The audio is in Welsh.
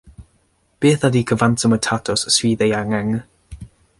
Beth ydi cyfanswm y tatws sydd eu hangen?